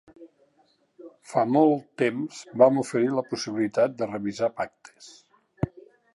Fa molt temps vam oferir la possibilitat de revisar pactes.